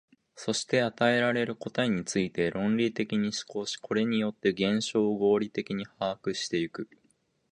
そして与えられる答えについて論理的に思考し、これによって現象を合理的に把握してゆく。